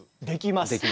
できます？